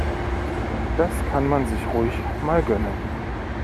Das kann man sich ruhig mal gönnen.